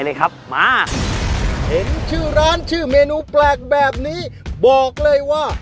เลยครับมาเห็นชื่อร้านชื่อเมนูแปลกแบบนี้บอกเลยว่า